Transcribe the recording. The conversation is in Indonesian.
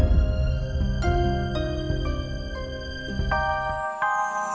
ibu ya setelah lu bahasex prettier than mang